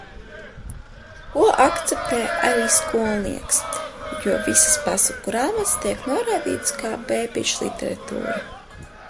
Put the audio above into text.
Ko akceptē arī skolnieks, jo visas pasaku grāmatas tiek noraidītas kā bebīšliteratūra.